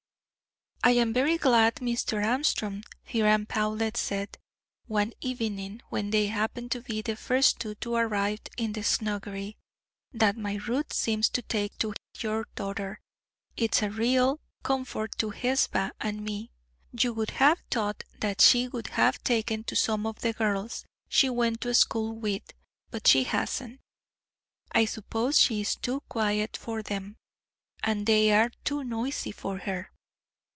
"I am very glad, Mr. Armstrong," Hiram Powlett said, one evening, when they happened to be the first two to arrive in the snuggery, "that my Ruth seems to take to your daughter. It's a real comfort to Hesba and me. You would have thought that she would have taken to some of the girls she went to school with, but she hasn't. I suppose she is too quiet for them, and they are too noisy for her.